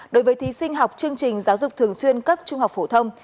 đối với thí sinh học chương trình giáo dục thường xuyên cấp trung học phổ thông